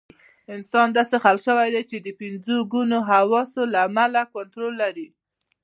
انسان داسې خلق شوی چې د پنځه ګونو حواسو له امله کنټرول لري.